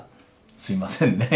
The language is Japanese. すいませんねぇ。